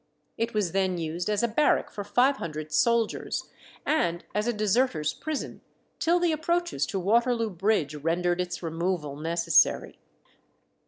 It was then used as a barrack for five hundred soldiers, and as a deserters' prison, till the approaches to Waterloo Bridge rendered its removal necessary.